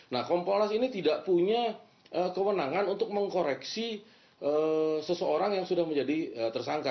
nah kompolnas ini tidak punya kewenangan untuk mengkoreksi seseorang yang sudah menjadi tersangka